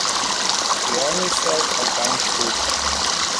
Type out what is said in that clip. We only sell organic food.